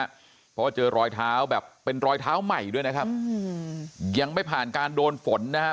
เพราะว่าเจอรอยเท้าแบบเป็นรอยเท้าใหม่ด้วยนะครับยังไม่ผ่านการโดนฝนนะครับ